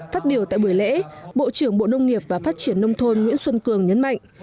phát biểu tại buổi lễ bộ trưởng bộ nông nghiệp và phát triển nông thôn nguyễn xuân cường nhấn mạnh